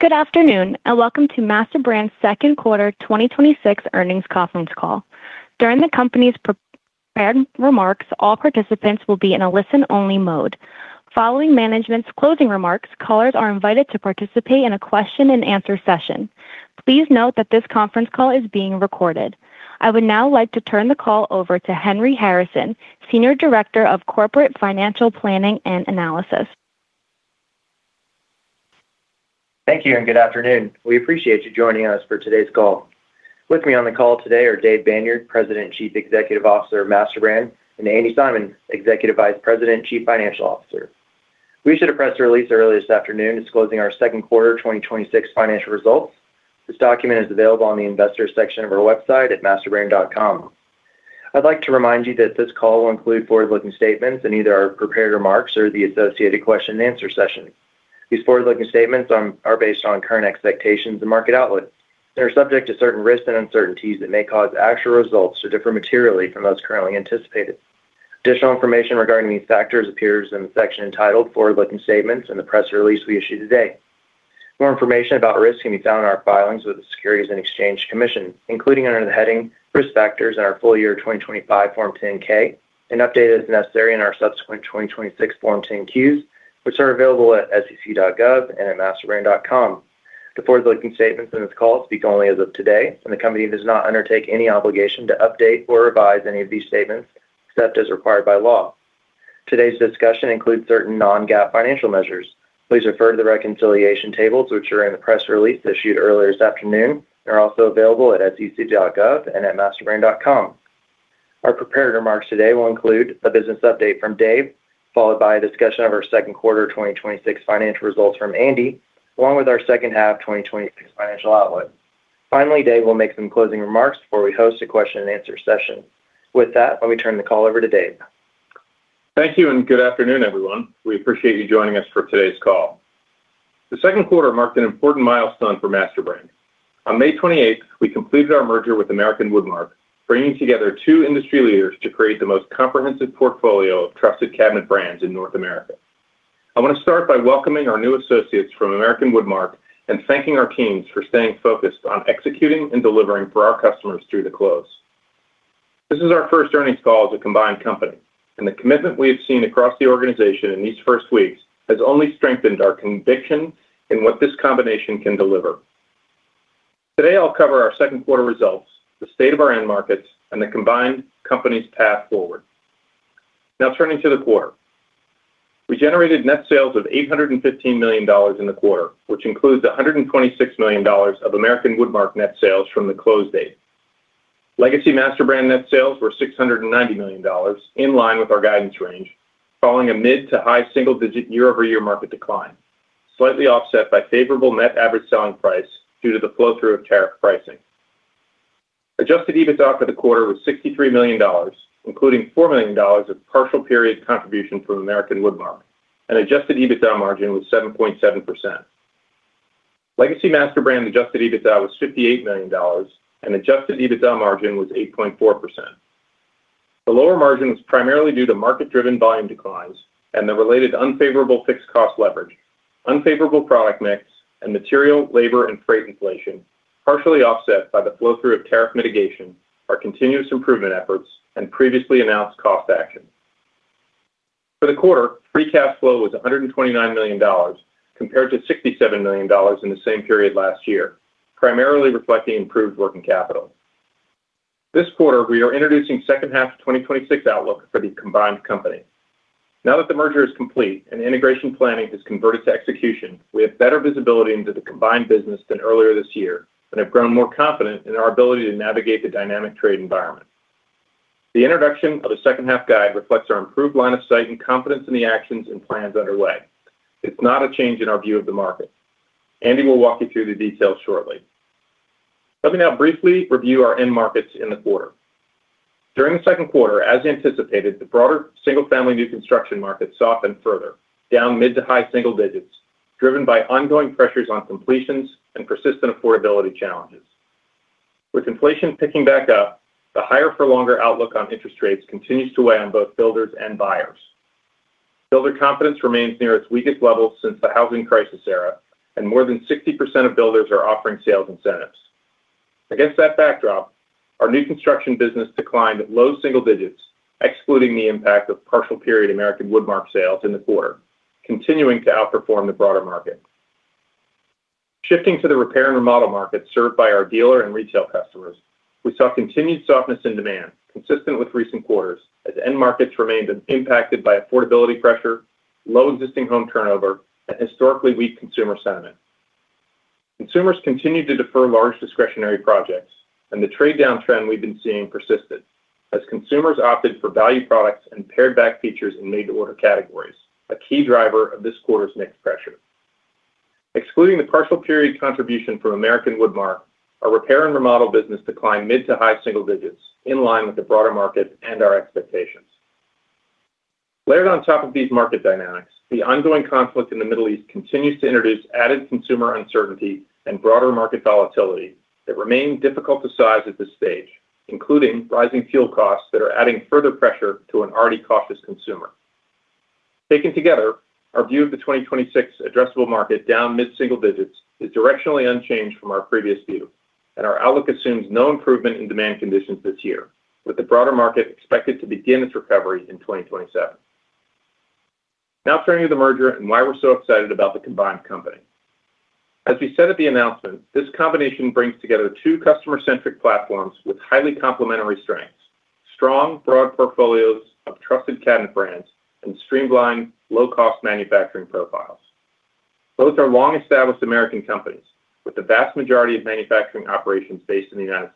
Good afternoon. Welcome to MasterBrand's second quarter 2026 earnings conference call. During the company's prepared remarks, all participants will be in a listen-only mode. Following management's closing remarks, callers are invited to participate in a question-and-answer session. Please note that this conference call is being recorded. I would now like to turn the call over to Henry Harrison, Senior Director of Corporate Financial Planning and Analysis. Thank you. Good afternoon. We appreciate you joining us for today's call. With me on the call today are Dave Banyard, President and Chief Executive Officer of MasterBrand, and Andi Simon, Executive Vice President and Chief Financial Officer. We issued a press release earlier this afternoon disclosing our second quarter 2026 financial results. This document is available on the investors section of our website at masterbrand.com. I'd like to remind you that this call will include forward-looking statements in either our prepared remarks or the associated question-and-answer session. These forward-looking statements are based on current expectations and market outlook. They are subject to certain risks and uncertainties that may cause actual results to differ materially from those currently anticipated. Additional information regarding these factors appears in the section entitled "Forward-Looking Statements" in the press release we issued today. More information about risks can be found in our filings with the Securities and Exchange Commission, including under the heading "Risk Factors" in our full year 2025 Form 10-K, updated as necessary in our subsequent 2026 Form 10-Qs, which are available at sec.gov and at masterbrand.com. The forward-looking statements in this call speak only as of today. The company does not undertake any obligation to update or revise any of these statements except as required by law. Today's discussion includes certain non-GAAP financial measures. Please refer to the reconciliation tables which are in the press release issued earlier this afternoon. They're also available at sec.gov and at masterbrand.com. Our prepared remarks today will include a business update from Dave, followed by a discussion of our second quarter 2026 financial results from Andi, along with our second half 2026 financial outlook. Finally, Dave will make some closing remarks before we host a question-and-answer session. With that, let me turn the call over to Dave. Thank you and good afternoon, everyone. We appreciate you joining us for today's call. The second quarter marked an important milestone for MasterBrand. On May 28th, we completed our merger with American Woodmark, bringing together two industry leaders to create the most comprehensive portfolio of trusted cabinet brands in North America. I want to start by welcoming our new associates from American Woodmark and thanking our teams for staying focused on executing and delivering for our customers through the close. This is our first earnings call as a combined company, and the commitment we have seen across the organization in these first weeks has only strengthened our conviction in what this combination can deliver. Today, I'll cover our second quarter results, the state of our end markets, and the combined company's path forward. Now, turning to the quarter. We generated net sales of $815 million in the quarter, which includes $126 million of American Woodmark net sales from the close date. Legacy MasterBrand net sales were $690 million, in line with our guidance range, following a mid to high single-digit year-over-year market decline, slightly offset by favorable net average selling price due to the flow-through of tariff pricing. Adjusted EBITDA for the quarter was $63 million, including $4 million of partial period contribution from American Woodmark, and adjusted EBITDA margin was 7.7%. Legacy MasterBrand adjusted EBITDA was $58 million and adjusted EBITDA margin was 8.4%. The lower margin was primarily due to market-driven volume declines and the related unfavorable fixed cost leverage, unfavorable product mix, and material, labor, and freight inflation, partially offset by the flow-through of tariff mitigation, our continuous improvement efforts, and previously announced cost actions. For the quarter, free cash flow was $129 million, compared to $67 million in the same period last year, primarily reflecting improved working capital. This quarter, we are introducing second half 2026 outlook for the combined company. Now that the merger is complete and integration planning has converted to execution, we have better visibility into the combined business than earlier this year and have grown more confident in our ability to navigate the dynamic trade environment. The introduction of the second half guide reflects our improved line of sight and confidence in the actions and plans underway. It's not a change in our view of the market. Andi will walk you through the details shortly. Let me now briefly review our end markets in the quarter. During the second quarter, as anticipated, the broader single-family new construction market softened further, down mid to high single digits, driven by ongoing pressures on completions and persistent affordability challenges. With inflation picking back up, the higher-for-longer outlook on interest rates continues to weigh on both builders and buyers. Builder confidence remains near its weakest level since the housing crisis era, and more than 60% of builders are offering sales incentives. Against that backdrop, our new construction business declined low single digits, excluding the impact of partial period American Woodmark sales in the quarter, continuing to outperform the broader market. Shifting to the repair and remodel market served by our dealer and retail customers, we saw continued softness in demand consistent with recent quarters as end markets remained impacted by affordability pressure, low existing home turnover, and historically weak consumer sentiment. Consumers continued to defer large discretionary projects, the trade-down trend we've been seeing persisted as consumers opted for value products and pared-back features in made-to-order categories, a key driver of this quarter's mix pressure. Excluding the partial period contribution from American Woodmark, our repair and remodel business declined mid to high single digits, in line with the broader market and our expectations. Layered on top of these market dynamics, the ongoing conflict in the Middle East continues to introduce added consumer uncertainty and broader market volatility that remain difficult to size at this stage, including rising fuel costs that are adding further pressure to an already cautious consumer. Taken together, our view of the 2026 addressable market down mid-single digits is directionally unchanged from our previous view, and our outlook assumes no improvement in demand conditions this year, with the broader market expected to begin its recovery in 2027. Turning to the merger and why we're so excited about the combined company. As we said at the announcement, this combination brings together two customer-centric platforms with highly complementary strengths, strong broad portfolios of trusted cabinet brands, and streamlined low-cost manufacturing profiles. Both are long-established American companies with the vast majority of manufacturing operations based in the U.S.,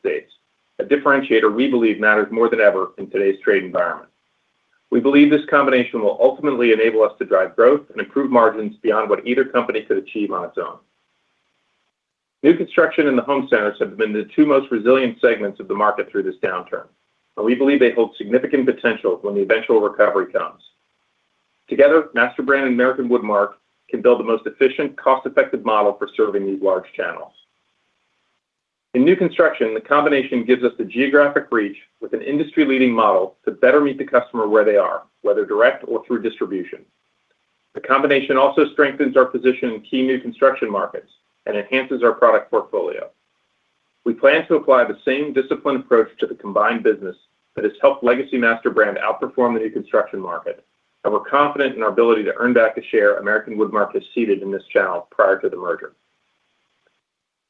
a differentiator we believe matters more than ever in today's trade environment. We believe this combination will ultimately enable us to drive growth and improve margins beyond what either company could achieve on its own. New construction and the home centers have been the two most resilient segments of the market through this downturn, and we believe they hold significant potential when the eventual recovery comes. Together, MasterBrand and American Woodmark can build the most efficient, cost-effective model for serving these large channels. In new construction, the combination gives us the geographic reach with an industry-leading model to better meet the customer where they are, whether direct or through distribution. The combination also strengthens our position in key new construction markets and enhances our product portfolio. We plan to apply the same disciplined approach to the combined business that has helped legacy MasterBrand outperform the new construction market, and we're confident in our ability to earn back a share American Woodmark has seeded in this channel prior to the merger.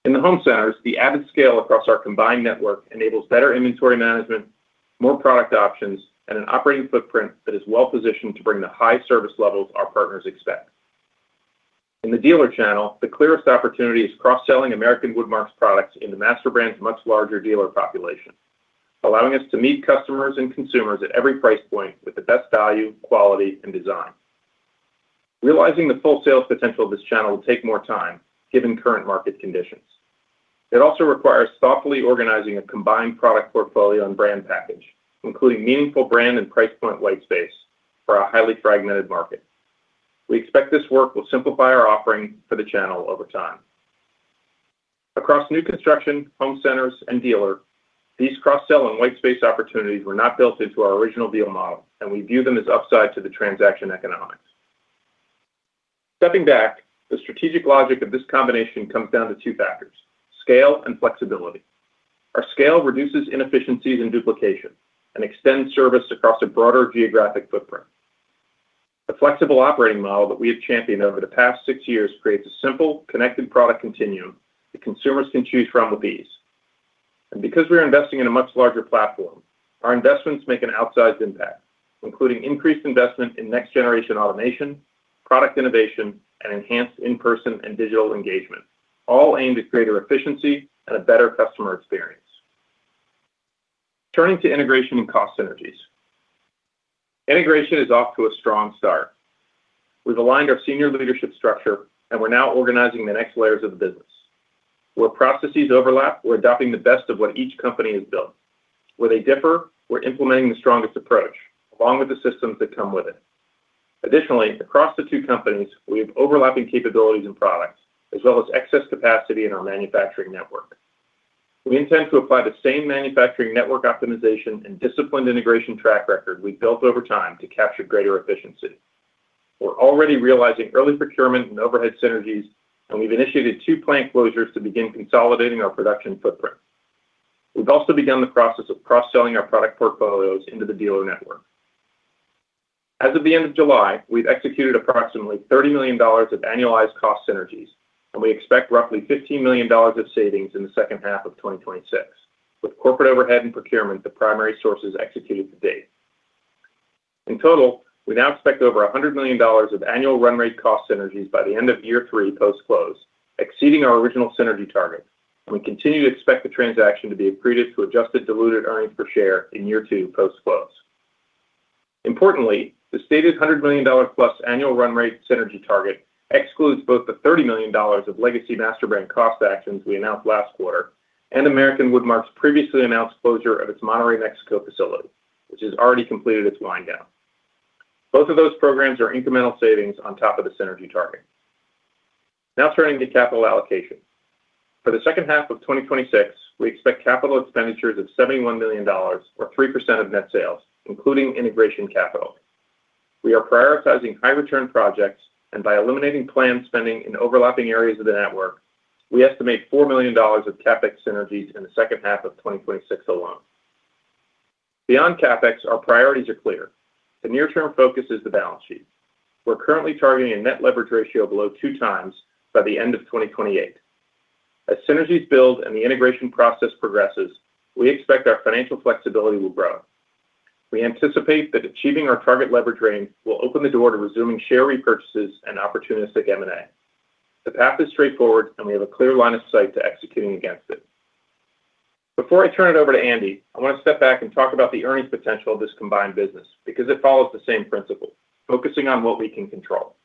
In the home centers, the added scale across our combined network enables better inventory management, more product options, and an operating footprint that is well-positioned to bring the high service levels our partners expect. In the dealer channel, the clearest opportunity is cross-selling American Woodmark's products in MasterBrand's much larger dealer population, allowing us to meet customers and consumers at every price point with the best value, quality, and design. Realizing the full sales potential of this channel will take more time, given current market conditions. It also requires thoughtfully organizing a combined product portfolio and brand package, including meaningful brand and price point white space for our highly fragmented market. We expect this work will simplify our offering for the channel over time. Across new construction, home centers, and dealer, these cross-sell and white space opportunities were not built into our original deal model, and we view them as upside to the transaction economics. Stepping back, the strategic logic of this combination comes down to two factors: scale and flexibility. Our scale reduces inefficiencies and duplication and extends service across a broader geographic footprint. The flexible operating model that we have championed over the past six years creates a simple, connected product continuum that consumers can choose from with ease. Because we're investing in a much larger platform, our investments make an outsized impact, including increased investment in next-generation automation, product innovation, and enhanced in-person and digital engagement, all aimed at greater efficiency and a better customer experience. Turning to integration and cost synergies. Integration is off to a strong start. We've aligned our senior leadership structure. We're now organizing the next layers of the business. Where processes overlap, we're adopting the best of what each company has built. Where they differ, we're implementing the strongest approach, along with the systems that come with it. Additionally, across the two companies, we have overlapping capabilities and products, as well as excess capacity in our manufacturing network. We intend to apply the same manufacturing network optimization and disciplined integration track record we've built over time to capture greater efficiency. We're already realizing early procurement and overhead synergies. We've initiated two plant closures to begin consolidating our production footprint. We've also begun the process of cross-selling our product portfolios into the dealer network. As of the end of July, we've executed approximately $30 million of annualized cost synergies. We expect roughly $15 million of savings in the second half of 2026, with corporate overhead and procurement the primary sources executed to date. In total, we now expect over $100 million of annual run rate cost synergies by the end of year three post-close, exceeding our original synergy target. We continue to expect the transaction to be accretive to adjusted diluted earnings per share in year two post-close. Importantly, the stated $100 million-plus annual run rate synergy target excludes both the $30 million of legacy MasterBrand cost actions we announced last quarter and American Woodmark's previously announced closure of its Monterrey, Mexico, facility, which has already completed its wind-down. Both of those programs are incremental savings on top of the synergy target. Now turning to capital allocation. For the second half of 2026, we expect capital expenditures of $71 million, or 3% of net sales, including integration capital. We are prioritizing high-return projects. By eliminating planned spending in overlapping areas of the network, we estimate $4 million of CapEx synergies in the second half of 2026 alone. Beyond CapEx, our priorities are clear. The near-term focus is the balance sheet. We're currently targeting a net leverage ratio below two times by the end of 2028. As synergies build and the integration process progresses, we expect our financial flexibility will grow. We anticipate that achieving our target leverage range will open the door to resuming share repurchases and opportunistic M&A. The path is straightforward. We have a clear line of sight to executing against it. Before I turn it over to Andi, I want to step back and talk about the earnings potential of this combined business because it follows the same principle, focusing on what we can control.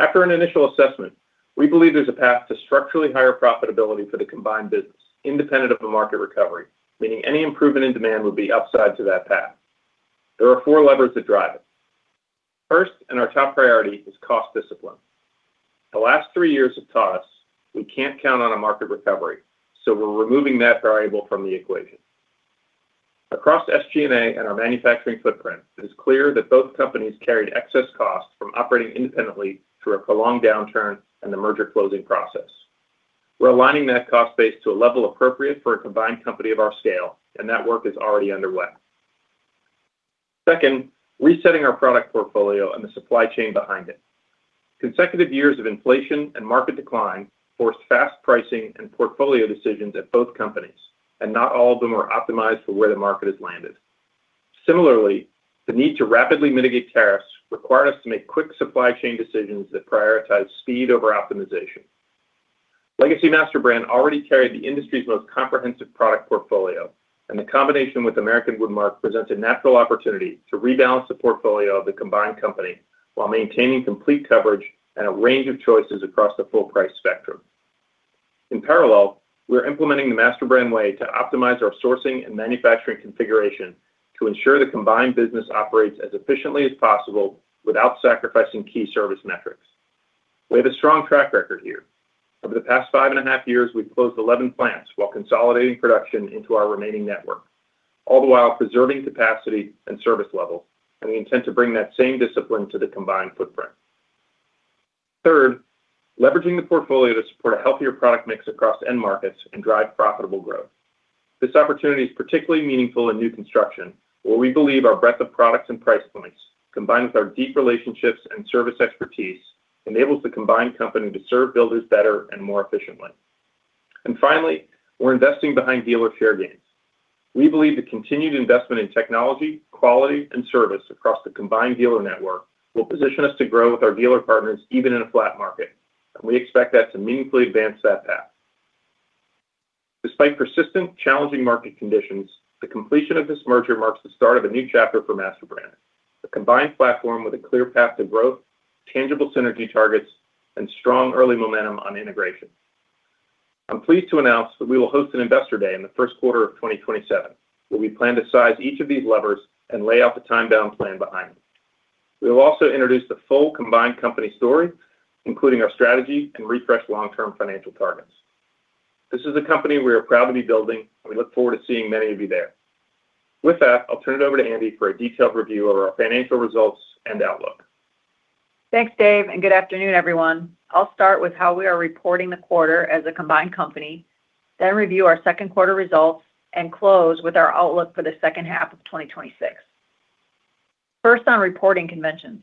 After an initial assessment, we believe there's a path to structurally higher profitability for the combined business, independent of a market recovery, meaning any improvement in demand would be upside to that path. There are four levers that drive it. First, and our top priority, is cost discipline. The last three years have taught us we can't count on a market recovery, so we're removing that variable from the equation. Across SGA and our manufacturing footprint, it is clear that both companies carried excess costs from operating independently through a prolonged downturn and the merger closing process. We're aligning that cost base to a level appropriate for a combined company of our scale, and that work is already underway. Second, resetting our product portfolio and the supply chain behind it. Consecutive years of inflation and market decline forced fast pricing and portfolio decisions at both companies, and not all of them are optimized for where the market has landed. Similarly, the need to rapidly mitigate tariffs required us to make quick supply chain decisions that prioritize speed over optimization. Legacy MasterBrand already carried the industry's most comprehensive product portfolio, and the combination with American Woodmark presents a natural opportunity to rebalance the portfolio of the combined company while maintaining complete coverage and a range of choices across the full price spectrum. In parallel, we're implementing the MasterBrand way to optimize our sourcing and manufacturing configuration to ensure the combined business operates as efficiently as possible without sacrificing key service metrics. We have a strong track record here. Over the past five and a half years, we've closed 11 plants while consolidating production into our remaining network, all the while preserving capacity and service level, and we intend to bring that same discipline to the combined footprint. Third, leveraging the portfolio to support a healthier product mix across end markets and drive profitable growth. This opportunity is particularly meaningful in new construction, where we believe our breadth of products and price points, combined with our deep relationships and service expertise, enables the combined company to serve builders better and more efficiently. Finally, we're investing behind dealer share gains. We believe the continued investment in technology, quality, and service across the combined dealer network will position us to grow with our dealer partners, even in a flat market. We expect that to meaningfully advance that path. Despite persistent challenging market conditions, the completion of this merger marks the start of a new chapter for MasterBrand, a combined platform with a clear path to growth, tangible synergy targets, and strong early momentum on integration. I'm pleased to announce that we will host an Investor Day in the first quarter of 2027, where we plan to size each of these levers and lay out the time-bound plan behind them. We will also introduce the full combined company story, including our strategy and refreshed long-term financial targets. This is a company we are proud to be building, and we look forward to seeing many of you there. With that, I'll turn it over to Andi for a detailed review of our financial results and outlook. Thanks, Dave, and good afternoon, everyone. I'll start with how we are reporting the quarter as a combined company, then review our second quarter results, and close with our outlook for the second half of 2026. First on reporting conventions.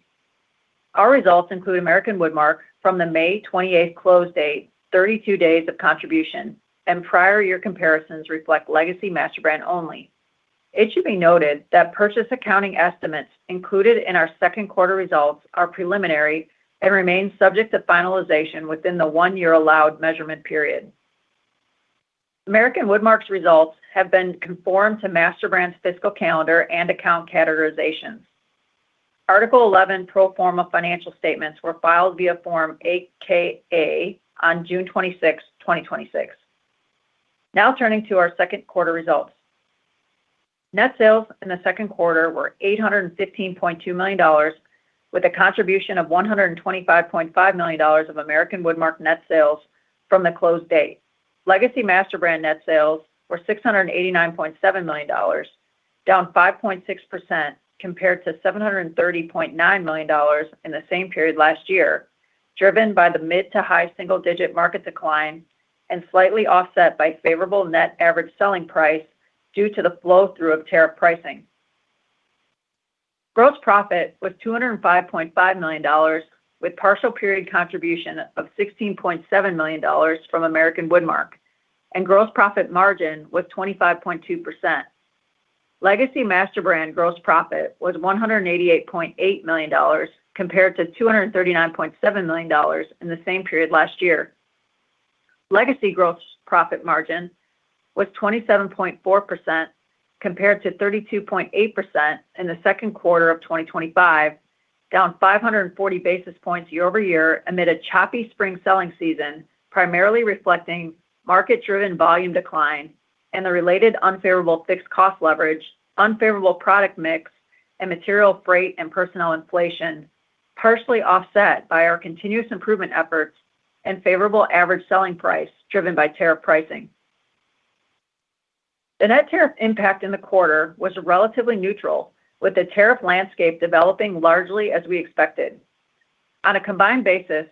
Our results include American Woodmark from the May 28th close date, 32 days of contribution, and prior year comparisons reflect legacy MasterBrand only. It should be noted that purchase accounting estimates included in our second quarter results are preliminary and remain subject to finalization within the one-year allowed measurement period. American Woodmark's results have been conformed to MasterBrand's fiscal calendar and account categorizations. Article 11 pro forma financial statements were filed via Form 8-K/A on June 26, 2026. Now turning to our second quarter results. Net sales in the second quarter were $815.2 million, with a contribution of $125.5 million of American Woodmark net sales from the close date. Legacy MasterBrand net sales were $689.7 million, down 5.6% compared to $730.9 million in the same period last year, driven by the mid to high single-digit market decline and slightly offset by favorable net average selling price due to the flow-through of tariff pricing. Gross profit was $205.5 million, with partial period contribution of $16.7 million from American Woodmark, and gross profit margin was 25.2%. Legacy MasterBrand gross profit was $188.8 million, compared to $239.7 million in the same period last year. Legacy gross profit margin was 27.4% compared to 32.8% in the second quarter of 2025, down 540 basis points year-over-year amid a choppy spring selling season, primarily reflecting market-driven volume decline and the related unfavorable fixed cost leverage, unfavorable product mix, and material freight and personnel inflation, partially offset by our continuous improvement efforts and favorable average selling price driven by tariff pricing. The net tariff impact in the quarter was relatively neutral, with the tariff landscape developing largely as we expected. On a combined basis,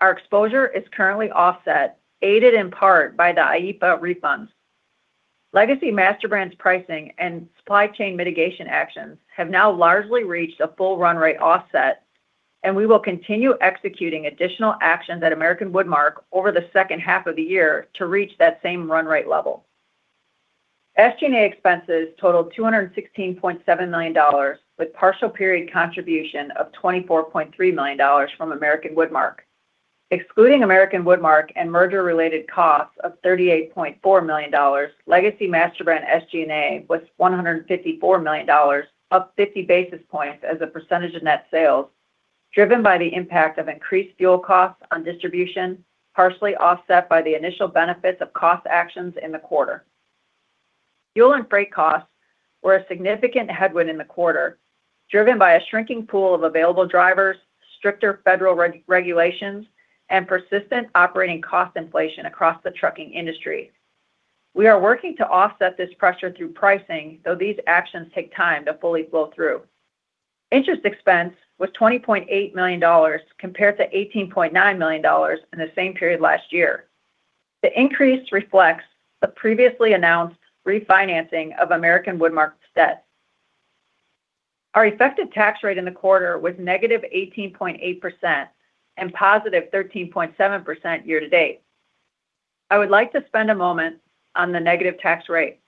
our exposure is currently offset, aided in part by the IEEPA refunds. Legacy MasterBrand's pricing and supply chain mitigation actions have now largely reached a full run rate offset, and we will continue executing additional actions at American Woodmark over the second half of the year to reach that same run rate level. SG&A expenses totaled $216.7 million, with partial period contribution of $24.3 million from American Woodmark. Excluding American Woodmark and merger-related costs of $38.4 million, legacy MasterBrand SG&A was $154 million, up 50 basis points as a percentage of net sales, driven by the impact of increased fuel costs on distribution, partially offset by the initial benefits of cost actions in the quarter. Fuel and freight costs were a significant headwind in the quarter, driven by a shrinking pool of available drivers, stricter federal regulations, and persistent operating cost inflation across the trucking industry. We are working to offset this pressure through pricing, though these actions take time to fully flow through. Interest expense was $20.8 million, compared to $18.9 million in the same period last year. The increase reflects the previously announced refinancing of American Woodmark's debt. Our effective tax rate in the quarter was negative 18.8% and positive 13.7% year-to-date. I would like to spend a moment on the negative tax rate.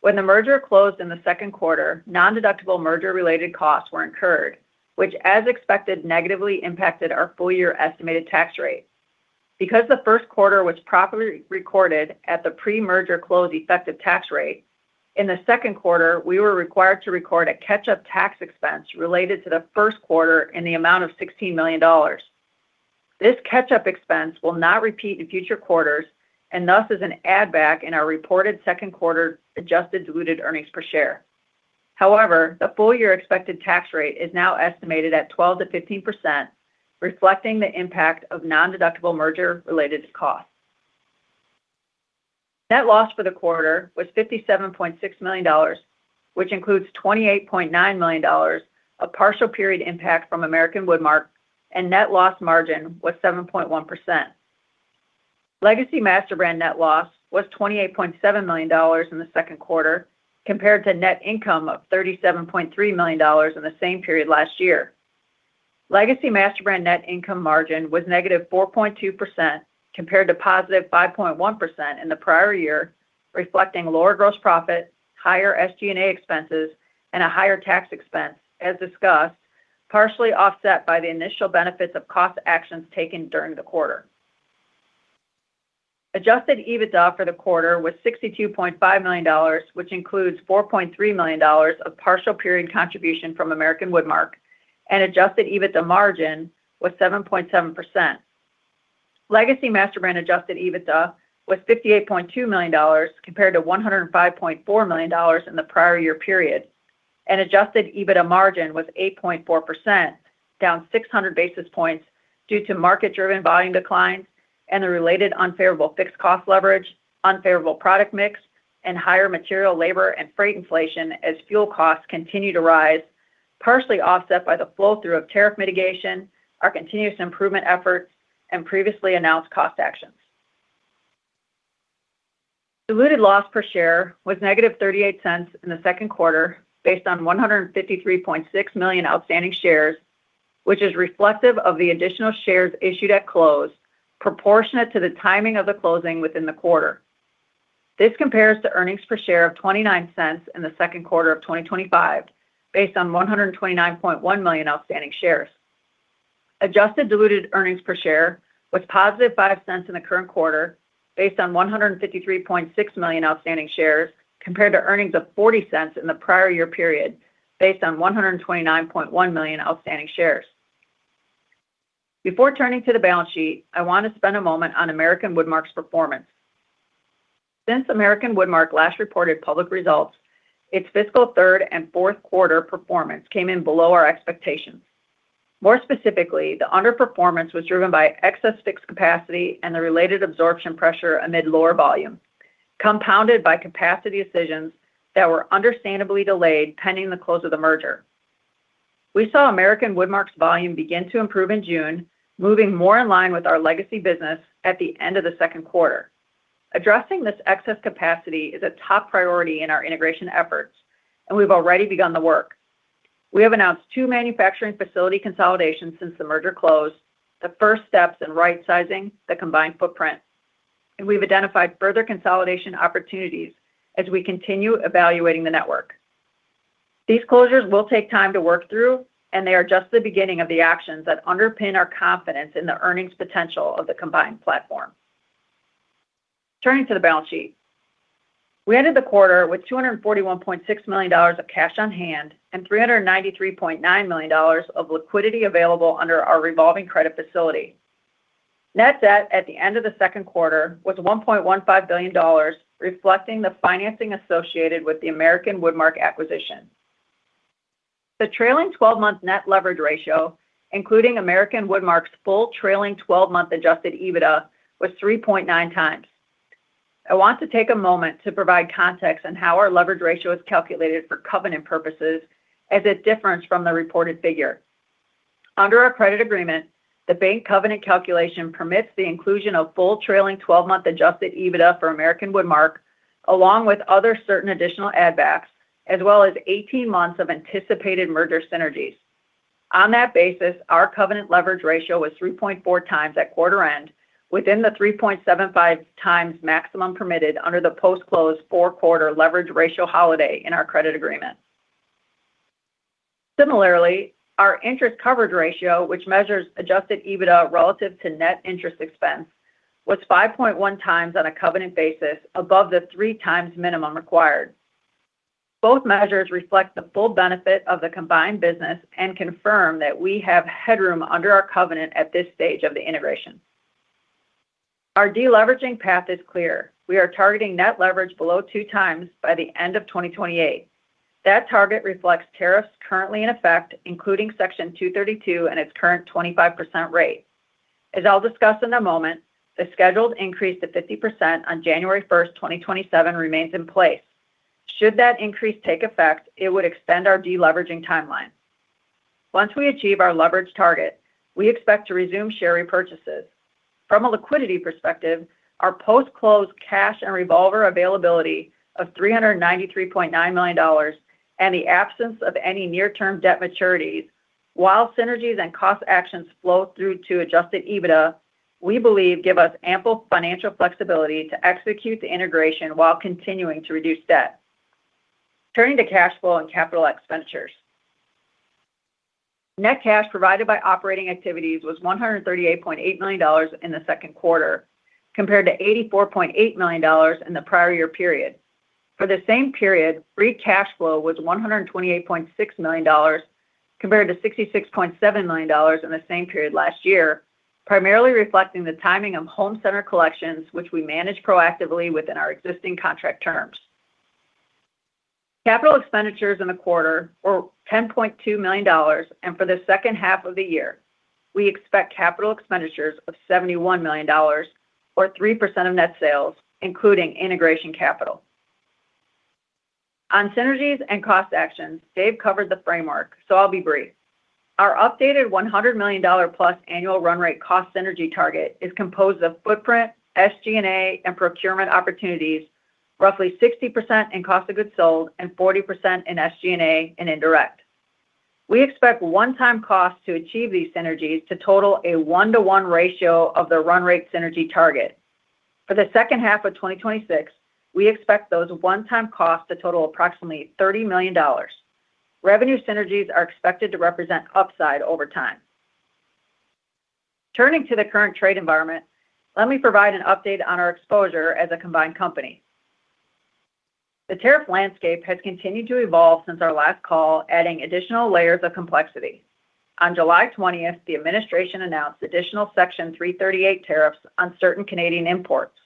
When the merger closed in the second quarter, non-deductible merger-related costs were incurred, which, as expected, negatively impacted our full-year estimated tax rate. Because the first quarter was properly recorded at the pre-merger close effective tax rate, in the second quarter, we were required to record a catch-up tax expense related to the first quarter in the amount of $16 million. This catch-up expense will not repeat in future quarters and thus is an add-back in our reported second quarter adjusted diluted earnings per share. However, the full-year expected tax rate is now estimated at 12%-15%, reflecting the impact of non-deductible merger-related costs. Net loss for the quarter was $57.6 million, which includes $28.9 million of partial period impact from American Woodmark, and net loss margin was 7.1%. Legacy MasterBrand net loss was $28.7 million in the second quarter, compared to net income of $37.3 million in the same period last year. Legacy MasterBrand net income margin was negative 4.2%, compared to positive 5.1% in the prior year, reflecting lower gross profit, higher SG&A expenses, and a higher tax expense, as discussed, partially offset by the initial benefits of cost actions taken during the quarter. Adjusted EBITDA for the quarter was $62.5 million, which includes $4.3 million of partial period contribution from American Woodmark, and adjusted EBITDA margin was 7.7%. Legacy MasterBrand adjusted EBITDA was $58.2 million compared to $105.4 million in the prior year period, and adjusted EBITDA margin was 8.4%, down 600 basis points due to market-driven volume declines and the related unfavorable fixed cost leverage, unfavorable product mix, and higher material, labor, and freight inflation as fuel costs continue to rise, partially offset by the flow-through of tariff mitigation, our continuous improvement efforts, and previously announced cost actions. Diluted loss per share was negative $0.38 in the second quarter, based on 153.6 million outstanding shares, which is reflective of the additional shares issued at close, proportionate to the timing of the closing within the quarter. This compares to earnings per share of $0.29 in the second quarter of 2025, based on 129.1 million outstanding shares. Adjusted diluted earnings per share was positive $0.05 in the current quarter, based on 153.6 million outstanding shares, compared to earnings of $0.40 in the prior year period, based on 129.1 million outstanding shares. Before turning to the balance sheet, I want to spend a moment on American Woodmark's performance. Since American Woodmark last reported public results, its fiscal third and fourth quarter performance came in below our expectations. More specifically, the underperformance was driven by excess fixed capacity and the related absorption pressure amid lower volume, compounded by capacity decisions that were understandably delayed pending the close of the merger. We saw American Woodmark's volume begin to improve in June, moving more in line with our legacy business at the end of the second quarter. Addressing this excess capacity is a top priority in our integration efforts, and we've already begun the work. We have announced two manufacturing facility consolidations since the merger close, the first steps in rightsizing the combined footprint, and we've identified further consolidation opportunities as we continue evaluating the network. These closures will take time to work through, and they are just the beginning of the actions that underpin our confidence in the earnings potential of the combined platform. Turning to the balance sheet. We ended the quarter with $241.6 million of cash on hand and $393.9 million of liquidity available under our revolving credit facility. Net debt at the end of the second quarter was $1.15 billion, reflecting the financing associated with the American Woodmark acquisition. The trailing 12-month net leverage ratio, including American Woodmark's full trailing 12-month adjusted EBITDA, was 3.9 times. I want to take a moment to provide context on how our leverage ratio is calculated for covenant purposes as it differs from the reported figure. Under our credit agreement, the bank covenant calculation permits the inclusion of full trailing 12-month adjusted EBITDA for American Woodmark, along with other certain additional add-backs, as well as 18 months of anticipated merger synergies. On that basis, our covenant leverage ratio was 3.4 times at quarter end, within the 3.75 times maximum permitted under the post-close four-quarter leverage ratio holiday in our credit agreement. Similarly, our interest coverage ratio, which measures adjusted EBITDA relative to net interest expense, was 5.1 times on a covenant basis above the three times minimum required. Both measures reflect the full benefit of the combined business and confirm that we have headroom under our covenant at this stage of the integration. Our de-leveraging path is clear. We are targeting net leverage below two times by the end of 2028. That target reflects tariffs currently in effect, including Section 232 and its current 25% rate. As I'll discuss in a moment, the scheduled increase to 50% on January 1st, 2027, remains in place. Should that increase take effect, it would extend our de-leveraging timeline. Once we achieve our leverage target, we expect to resume share repurchases. From a liquidity perspective, our post-close cash and revolver availability of $393.9 million, and the absence of any near-term debt maturities, while synergies and cost actions flow through to adjusted EBITDA, we believe give us ample financial flexibility to execute the integration while continuing to reduce debt. Turning to cash flow and capital expenditures. Net cash provided by operating activities was $138.8 million in the second quarter, compared to $84.8 million in the prior year period. For the same period, free cash flow was $128.6 million compared to $66.7 million in the same period last year, primarily reflecting the timing of home center collections, which we manage proactively within our existing contract terms. Capital expenditures in the quarter were $10.2 million, and for the second half of the year, we expect capital expenditures of $71 million, or 3% of net sales, including integration capital. On synergies and cost actions, Dave covered the framework, so I'll be brief. Our updated $100 million-plus annual run rate cost synergy target is composed of footprint, SG&A, and procurement opportunities, roughly 60% in cost of goods sold and 40% in SG&A and indirect. We expect one-time costs to achieve these synergies to total a 1:1 ratio of the run rate synergy target. For the second half of 2026, we expect those one-time costs to total approximately $30 million. Revenue synergies are expected to represent upside over time. Turning to the current trade environment, let me provide an update on our exposure as a combined company. The tariff landscape has continued to evolve since our last call, adding additional layers of complexity. On July 20th, the administration announced additional Section 338 tariffs on certain Canadian imports.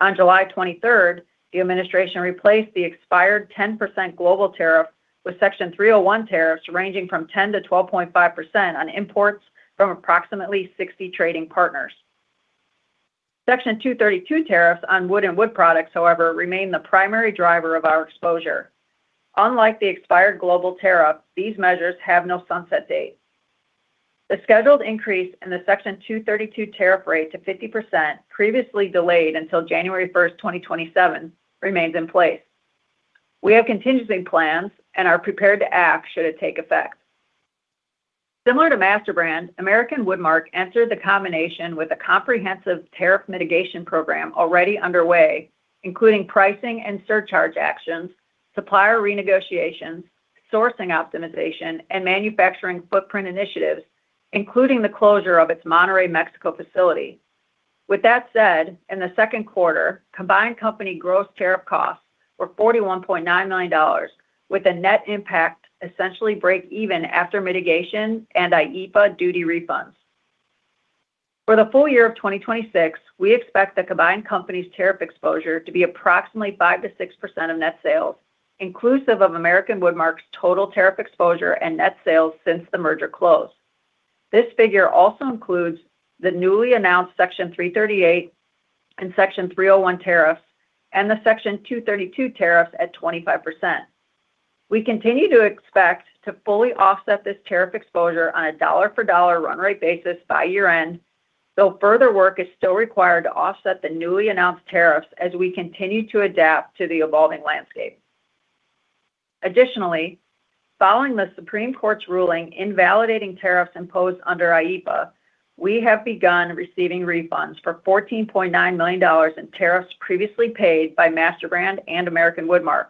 On July 23rd, the administration replaced the expired 10% global tariff with Section 301 tariffs ranging from 10%-12.5% on imports from approximately 60 trading partners. Section 232 tariffs on wood and wood products, however, remain the primary driver of our exposure. Unlike the expired global tariff, these measures have no sunset date. The scheduled increase in the Section 232 tariff rate to 50%, previously delayed until January 1st, 2027, remains in place. We have contingency plans and are prepared to act should it take effect. Similar to MasterBrand, American Woodmark entered the combination with a comprehensive tariff mitigation program already underway, including pricing and surcharge actions, supplier renegotiations, sourcing optimization, and manufacturing footprint initiatives, including the closure of its Monterrey, Mexico facility. With that said, in the second quarter, combined company gross tariff costs were $41.9 million, with a net impact essentially break even after mitigation and IEEPA duty refunds. For the full year of 2026, we expect the combined company's tariff exposure to be approximately 5%-6% of net sales, inclusive of American Woodmark's total tariff exposure and net sales since the merger close. This figure also includes the newly announced Section 338 and Section 301 tariffs, and the Section 232 tariffs at 25%. We continue to expect to fully offset this tariff exposure on a dollar-for-dollar run rate basis by year-end, though further work is still required to offset the newly announced tariffs as we continue to adapt to the evolving landscape. Additionally, following the Supreme Court's ruling invalidating tariffs imposed under IEEPA, we have begun receiving refunds for $14.9 million in tariffs previously paid by MasterBrand and American Woodmark.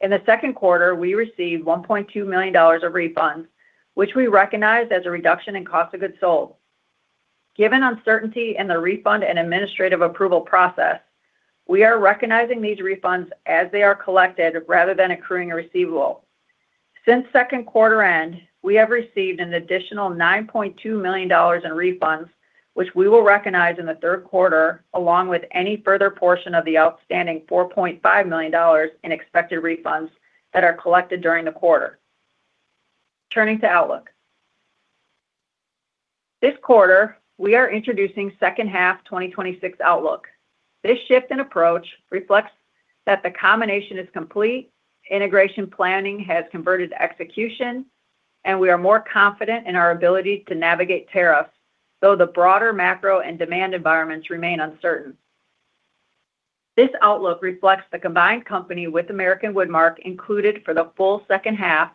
In the second quarter, we received $1.2 million of refunds, which we recognized as a reduction in cost of goods sold. Given uncertainty in the refund and administrative approval process, we are recognizing these refunds as they are collected rather than accruing a receivable. Since second quarter end, we have received an additional $9.2 million in refunds, which we will recognize in the third quarter, along with any further portion of the outstanding $4.5 million in expected refunds that are collected during the quarter. Turning to outlook. This quarter, we are introducing second half 2026 outlook. This shift in approach reflects that the combination is complete, integration planning has converted to execution, and we are more confident in our ability to navigate tariffs, though the broader macro and demand environments remain uncertain. This outlook reflects the combined company with American Woodmark included for the full second half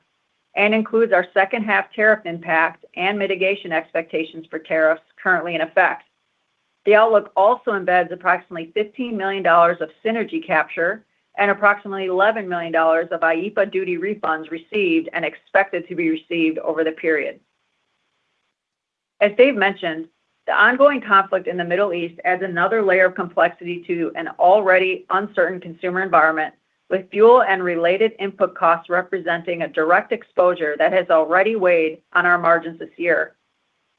and includes our second half tariff impact and mitigation expectations for tariffs currently in effect. The outlook also embeds approximately $15 million of synergy capture and approximately $11 million of IEEPA duty refunds received and expected to be received over the period. As Dave mentioned, the ongoing conflict in the Middle East adds another layer of complexity to an already uncertain consumer environment. With fuel and related input costs representing a direct exposure that has already weighed on our margins this year,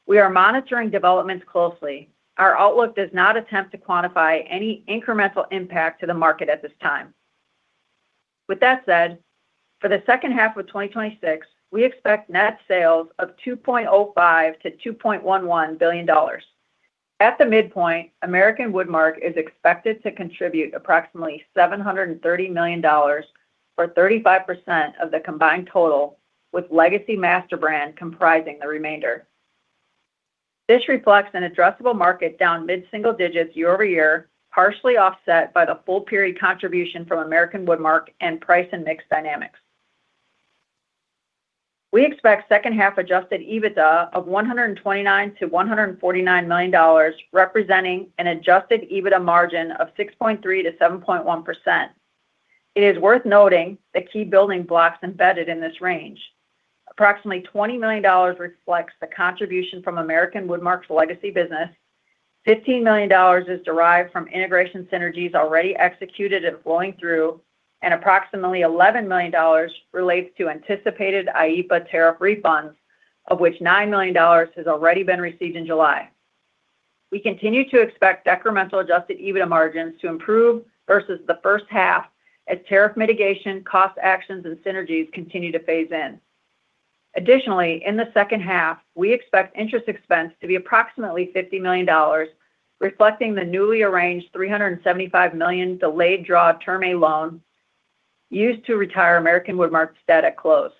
we are monitoring developments closely. Our outlook does not attempt to quantify any incremental impact to the market at this time. With that said, for the second half of 2026, we expect net sales of $2.05 billion-$2.11 billion. At the midpoint, American Woodmark is expected to contribute approximately $730 million, or 35% of the combined total, with legacy MasterBrand comprising the remainder. This reflects an addressable market down mid-single digits year-over-year, partially offset by the full-period contribution from American Woodmark and price and mix dynamics. We expect second half adjusted EBITDA of $129 million-$149 million, representing an adjusted EBITDA margin of 6.3%-7.1%. It is worth noting the key building blocks embedded in this range. Approximately $20 million reflects the contribution from American Woodmark's legacy business, $15 million is derived from integration synergies already executed and flowing through, and approximately $11 million relates to anticipated IEEPA tariff refunds, of which $9 million has already been received in July. We continue to expect decremental adjusted EBITDA margins to improve versus the first half as tariff mitigation, cost actions, and synergies continue to phase in. Additionally, in the second half, we expect interest expense to be approximately $50 million, reflecting the newly arranged $375 million delayed draw Term Loan A used to retire American Woodmark's debt at close.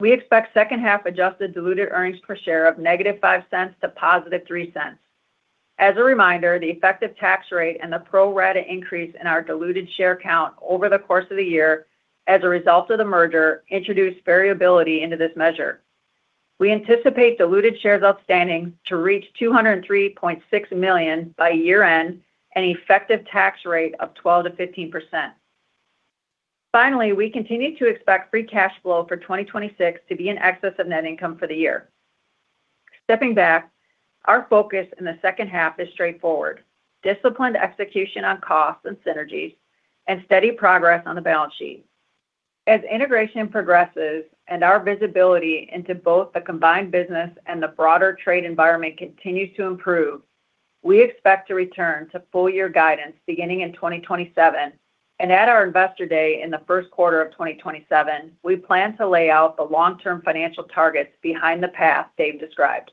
We expect second half adjusted diluted earnings per share of negative $0.05 to positive $0.03. A reminder, the effective tax rate and the pro rata increase in our diluted share count over the course of the year as a result of the merger introduced variability into this measure. We anticipate diluted shares outstanding to reach 203.6 million by year-end and effective tax rate of 12%-15%. Finally, we continue to expect free cash flow for 2026 to be in excess of net income for the year. Stepping back, our focus in the second half is straightforward: disciplined execution on costs and synergies, and steady progress on the balance sheet. As integration progresses and our visibility into both the combined business and the broader trade environment continues to improve, we expect to return to full year guidance beginning in 2027. At our Investor Day in the first quarter of 2027, we plan to lay out the long-term financial targets behind the path Dave described.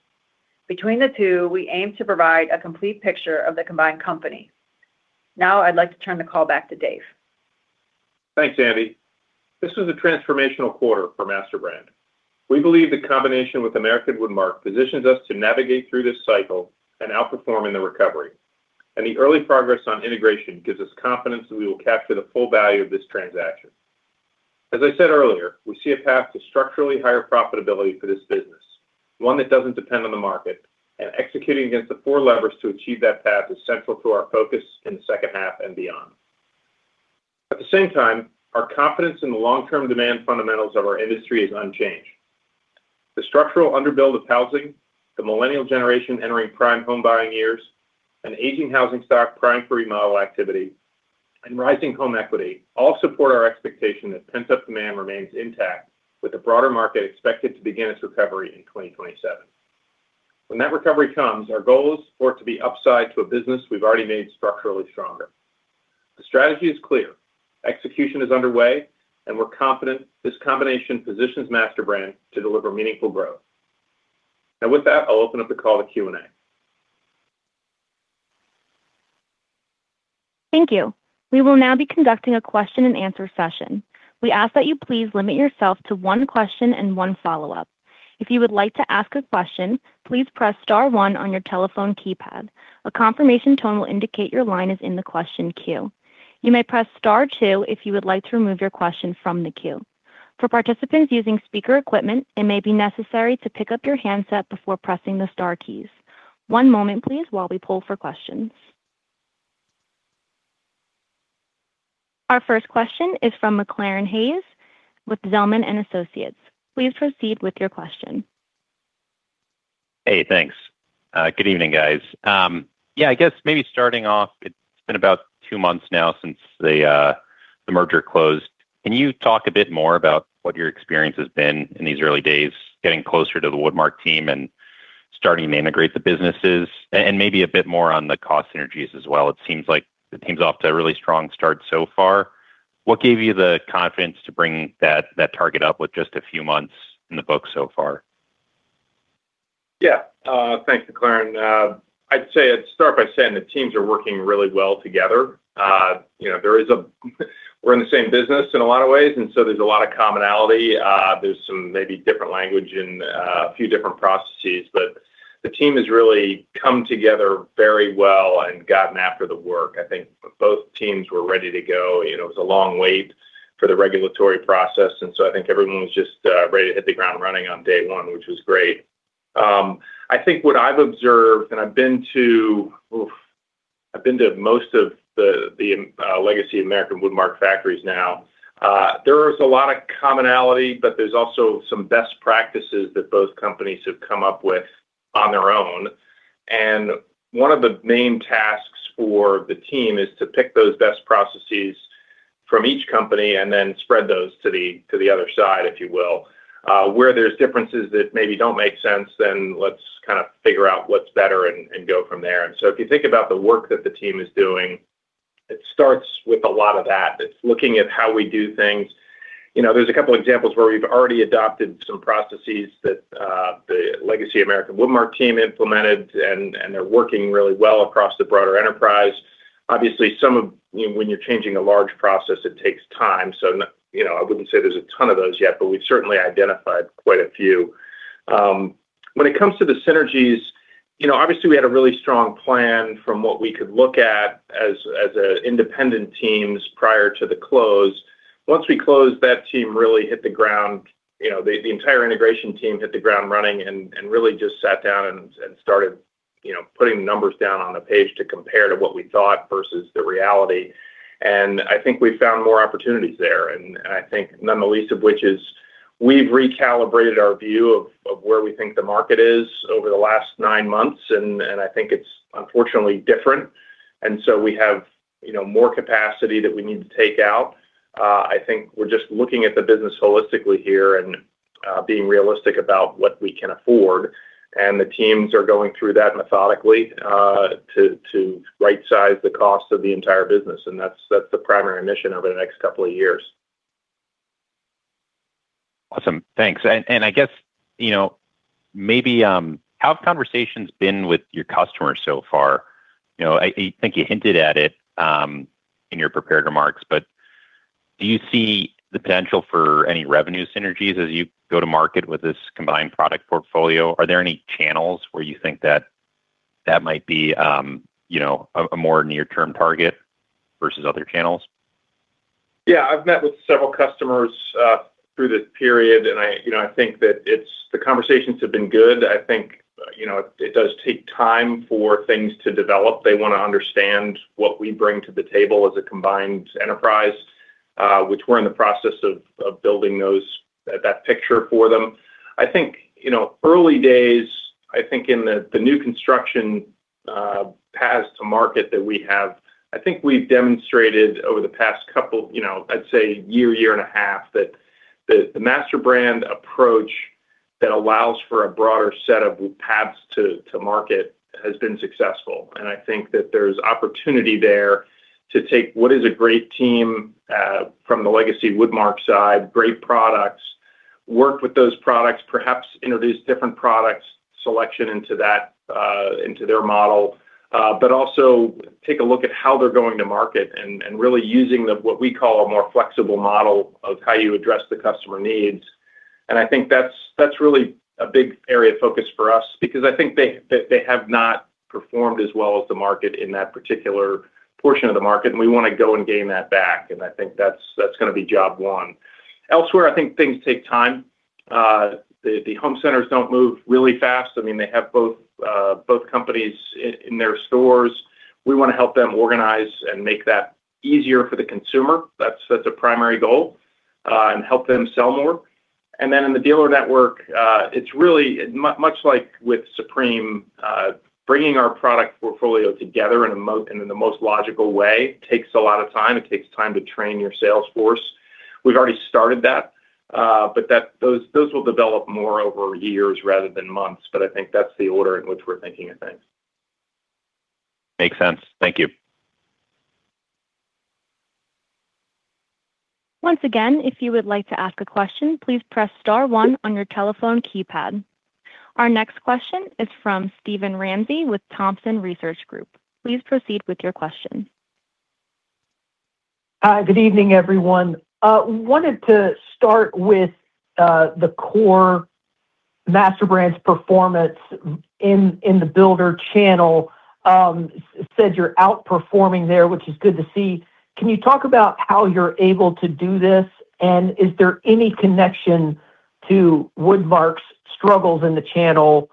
Between the two, we aim to provide a complete picture of the combined company. I'd like to turn the call back to Dave. Thanks, Andi. This was a transformational quarter for MasterBrand. We believe the combination with American Woodmark positions us to navigate through this cycle and outperform in the recovery. The early progress on integration gives us confidence that we will capture the full value of this transaction. As I said earlier, we see a path to structurally higher profitability for this business, one that doesn't depend on the market, and executing against the four levers to achieve that path is central to our focus in the second half and beyond. At the same time, our confidence in the long-term demand fundamentals of our industry is unchanged. The structural underbuild of housing, the millennial generation entering prime home buying years, an aging housing stock prime for remodel activity, and rising home equity all support our expectation that pent-up demand remains intact, with the broader market expected to begin its recovery in 2027. When that recovery comes, our goal is for it to be upside to a business we've already made structurally stronger. The strategy is clear. Execution is underway, and we're confident this combination positions MasterBrand to deliver meaningful growth. With that, I'll open up the call to Q&A. Thank you. We will now be conducting a question and answer session. We ask that you please limit yourself to one question and one follow-up. If you would like to ask a question, please press *1 on your telephone keypad. A confirmation tone will indicate your line is in the question queue. You may press *2 if you would like to remove your question from the queue. For participants using speaker equipment, it may be necessary to pick up your handset before pressing the star keys. One moment, please, while we poll for questions. Our first question is from McClaran Hayes with Zelman & Associates. Please proceed with your question. Thanks. Good evening, guys. I guess maybe starting off, it's been about two months now since the merger closed. Can you talk a bit more about what your experience has been in these early days getting closer to the Woodmark team and starting to integrate the businesses, and maybe a bit more on the cost synergies as well? It seems like the team's off to a really strong start so far. What gave you the confidence to bring that target up with just a few months in the books so far? Thanks, MacClaran. I'd start by saying the teams are working really well together. We're in the same business in a lot of ways, there's a lot of commonality. There's some maybe different language and a few different processes, the team has really come together very well and gotten after the work. I think both teams were ready to go. It was a long wait for the regulatory process, I think everyone was just ready to hit the ground running on day one, which was great. I think what I've observed, I've been to most of the legacy American Woodmark factories now. There is a lot of commonality, there's also some best practices that both companies have come up with on their own. One of the main tasks for the team is to pick those best processes from each company and then spread those to the other side, if you will. Where there's differences that maybe don't make sense, let's kind of figure out what's better and go from there. If you think about the work that the team is doing, it starts with a lot of that. It's looking at how we do things. There's a couple examples where we've already adopted some processes that the legacy American Woodmark team implemented, they're working really well across the broader enterprise. Obviously, when you're changing a large process, it takes time. I wouldn't say there's a ton of those yet, we've certainly identified quite a few. When it comes to the synergies, obviously, we had a really strong plan from what we could look at as independent teams prior to the close. Once we closed, the entire integration team hit the ground running and really just sat down and started putting numbers down on a page to compare to what we thought versus the reality. I think we found more opportunities there, I think none the least of which is we've recalibrated our view of where we think the market is over the last nine months. I think it's unfortunately different. We have more capacity that we need to take out. I think we're just looking at the business holistically here and being realistic about what we can afford. The teams are going through that methodically, to right-size the cost of the entire business, that's the primary mission over the next couple of years. Thanks. I guess, how have conversations been with your customers so far? I think you hinted at it in your prepared remarks, do you see the potential for any revenue synergies as you go to market with this combined product portfolio? Are there any channels where you think that might be a more near-term target versus other channels? Yeah, I've met with several customers through this period, I think that the conversations have been good. I think it does take time for things to develop. They want to understand what we bring to the table as a combined enterprise, which we're in the process of building that picture for them. Early days, I think in the new construction paths to market that we have, I think we've demonstrated over the past couple, I'd say year and a half, that the MasterBrand approach that allows for a broader set of paths to market has been successful. I think that there's opportunity there to take what is a great team from the legacy Woodmark side, great products, work with those products, perhaps introduce different products selection into their model. Also take a look at how they're going to market and really using what we call a more flexible model of how you address the customer needs. I think that's really a big area of focus for us because I think they have not performed as well as the market in that particular portion of the market, we want to go and gain that back, I think that's going to be job one. Elsewhere, I think things take time. The home centers don't move really fast. They have both companies in their stores. We want to help them organize and make that easier for the consumer. That's a primary goal, help them sell more. Then in the dealer network, it's really much like with Supreme, bringing our product portfolio together in the most logical way takes a lot of time. It takes time to train your sales force. We've already started that, those will develop more over years rather than months. I think that's the order in which we're thinking of things. Makes sense. Thank you. Once again, if you would like to ask a question, please press star one on your telephone keypad. Our next question is from Steven Ramsey with Thompson Research Group. Please proceed with your question. Hi, good evening, everyone. Wanted to start with the core MasterBrand's performance in the builder channel. It said you're outperforming there, which is good to see. Can you talk about how you're able to do this, and is there any connection to Woodmark's struggles in the channel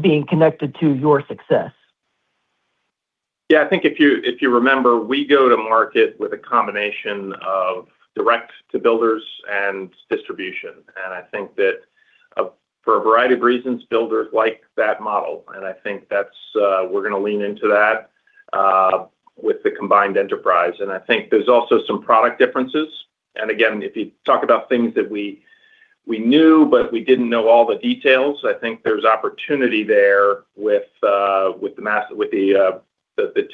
being connected to your success? Yeah, I think if you remember, we go to market with a combination of direct to builders and distribution. I think that for a variety of reasons, builders like that model, and I think we're going to lean into that with the combined enterprise. I think there's also some product differences. Again, if you talk about things that we knew, but we didn't know all the details, I think there's opportunity there with the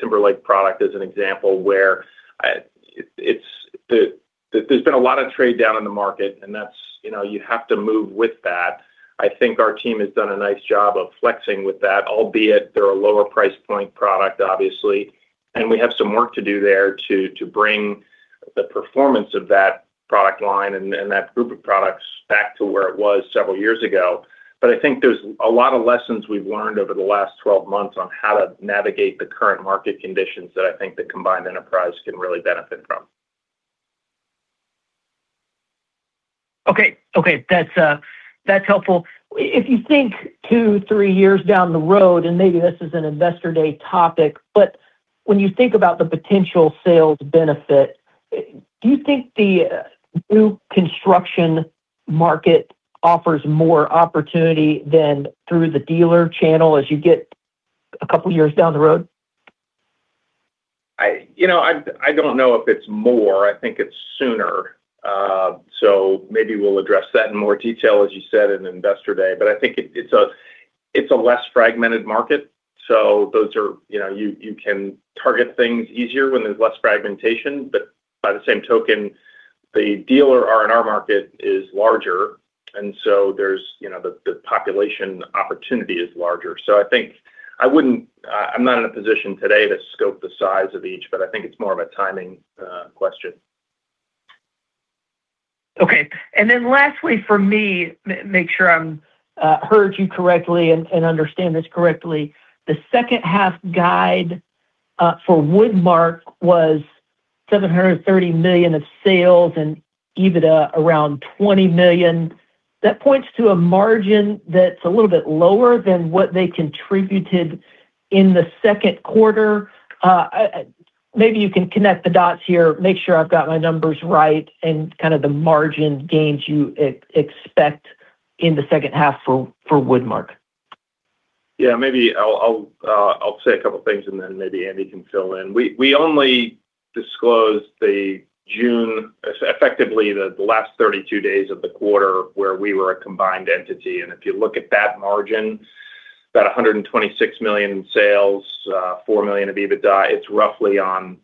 Timberlake product as an example, where there's been a lot of trade down in the market, and you have to move with that. I think our team has done a nice job of flexing with that, albeit they're a lower price point product, obviously. We have some work to do there to bring the performance of that product line and that group of products back to where it was several years ago. I think there's a lot of lessons we've learned over the last 12 months on how to navigate the current market conditions that I think the combined enterprise can really benefit from. Okay. That's helpful. If you think two, three years down the road, maybe this is an Investor Day topic, when you think about the potential sales benefit. Do you think the new construction market offers more opportunity than through the dealer channel as you get a couple of years down the road? I don't know if it's more, I think it's sooner. Maybe we'll address that in more detail, as you said, in Investor Day. I think it's a less fragmented market, so you can target things easier when there's less fragmentation. By the same token, the dealer R&R market is larger, so the population opportunity is larger. I'm not in a position today to scope the size of each, but I think it's more of a timing question. Okay. Then lastly from me, make sure I heard you correctly and understand this correctly, the second half guide for Woodmark was $730 million of sales and EBITDA around $20 million. That points to a margin that's a little bit lower than what they contributed in the second quarter. Maybe you can connect the dots here, make sure I've got my numbers right, and kind of the margin gains you expect in the second half for Woodmark. Yeah, then maybe Andi can fill in. We only disclosed the June, effectively the last 32 days of the quarter, where we were a combined entity. If you look at that margin, about $126 million in sales, $4 million of EBITDA, it's roughly on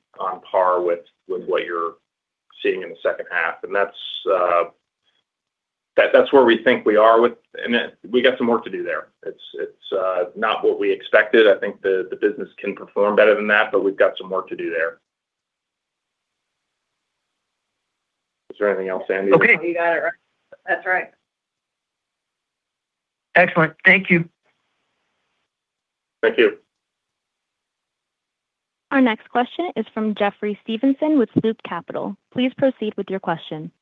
par with what you're seeing in the second half. That's where we think we are with, and we got some work to do there. It's not what we expected. I think the business can perform better than that, but we've got some work to do there. Is there anything else, Andi? No, you got it right. That's right. Excellent. Thank you. Thank you. Our next question is from Jeffrey Stevenson with Loop Capital. Please proceed with your question.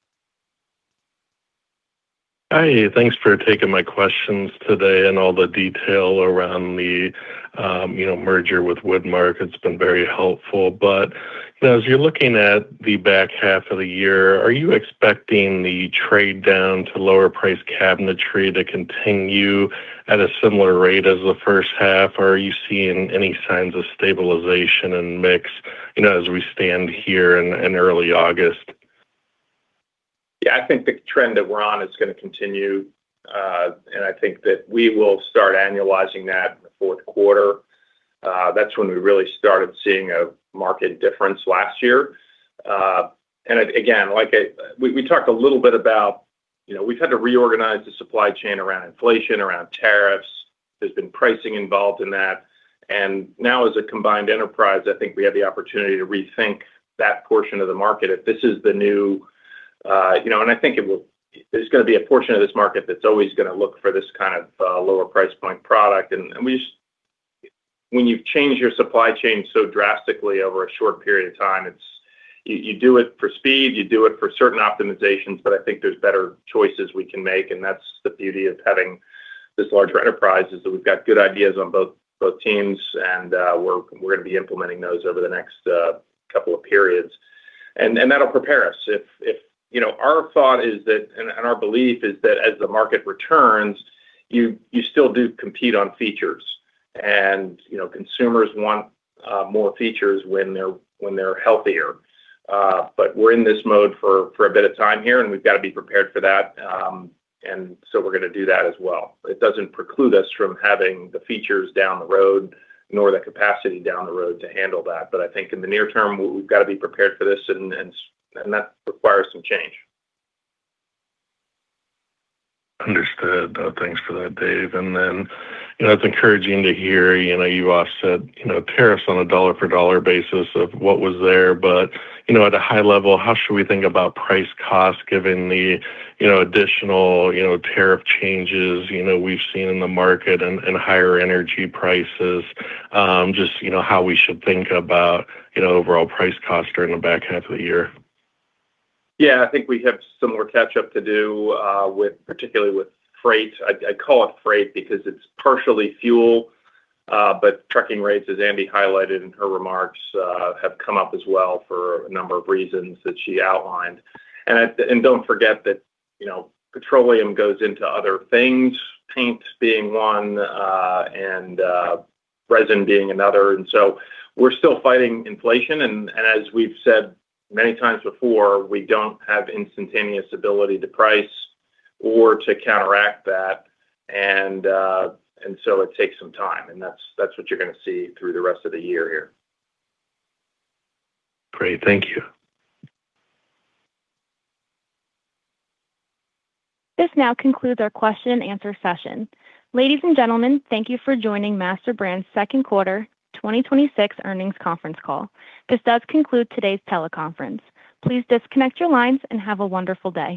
Hi, thanks for taking my questions today and all the detail around the merger with Woodmark. It has been very helpful. As you are looking at the back half of the year, are you expecting the trade down to lower priced cabinetry to continue at a similar rate as the first half? Or are you seeing any signs of stabilization and mix as we stand here in early August? I think the trend that we are on is going to continue. I think that we will start annualizing that in the fourth quarter. That is when we really started seeing a market difference last year. Again, we talked a little bit about how we have had to reorganize the supply chain around inflation, around tariffs. There has been pricing involved in that. Now, as a combined enterprise, I think we have the opportunity to rethink that portion of the market. If this is the new, I think there is going to be a portion of this market that is always going to look for this kind of lower price point product. When you have changed your supply chain so drastically over a short period of time, you do it for speed, you do it for certain optimizations, I think there are better choices we can make. That is the beauty of having this larger enterprise, is that we have got good ideas on both teams, we are going to be implementing those over the next couple of periods. That will prepare us. Our thought and our belief is that as the market returns, you still do compete on features. Consumers want more features when they are healthier. We are in this mode for a bit of time here, we have got to be prepared for that, so we are going to do that as well. It does not preclude us from having the features down the road, nor the capacity down the road to handle that. I think in the near term, we have got to be prepared for this, and that requires some change. Understood. Thanks for that, Dave. It's encouraging to hear you offset tariffs on a dollar-for-dollar basis of what was there. At a high level, how should we think about price cost given the additional tariff changes we've seen in the market and higher energy prices? Just how we should think about overall price cost during the back half of the year. I think we have some more catch up to do, particularly with freight. I call it freight because it's partially fuel. Trucking rates, as Andi highlighted in her remarks, have come up as well for a number of reasons that she outlined. Don't forget that petroleum goes into other things, paints being one, and resin being another. We're still fighting inflation. As we've said many times before, we don't have instantaneous ability to price or to counteract that, it takes some time. That's what you're going to see through the rest of the year here. Great. Thank you. This now concludes our question and answer session. Ladies and gentlemen, thank you for joining MasterBrand's second quarter 2026 earnings conference call. This does conclude today's teleconference. Please disconnect your lines and have a wonderful day.